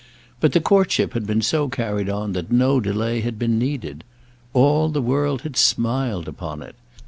But the courtship had so been carried on that no delay had been needed. All the world had smiled upon it.